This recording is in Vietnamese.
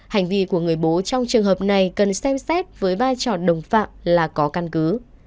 hành vi của người bố trong trường hợp này cần xem xét với vai trò đồng phạm là có căn cứ